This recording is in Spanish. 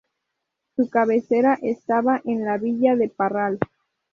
Su cabecera estaba en la Villa de Parral.